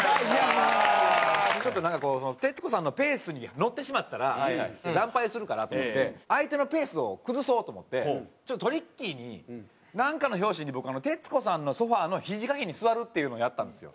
ちょっとなんかこう徹子さんのペースに乗ってしまったら惨敗するかなと思って相手のペースを崩そうと思ってちょっとトリッキーになんかの拍子に僕徹子さんのソファのひじかけに座るっていうのをやったんですよ。